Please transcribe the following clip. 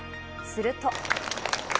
すると。